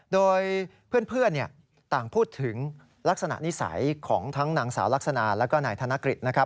โดยเพื่อนต่างพูดถึงลักษณะนิสัยของทั้งนางสาวลักษณะแล้วก็นายธนกฤษนะครับ